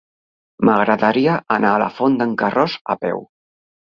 M'agradaria anar a la Font d'en Carròs a peu.